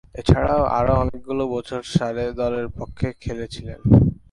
এছাড়াও আরও অনেকগুলো বছর সারে দলের পক্ষে খেলেছিলেন।